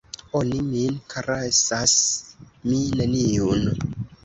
Oni min karesas, mi neniun!